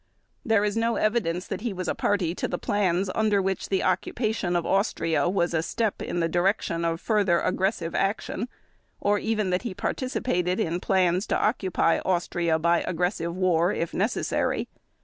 There is no evidence that he was a party to the plans under which the occupation of Austria was a step in the direction of further aggressive action, or even that he participated in plans to occupy Austria by aggressive war if necessary.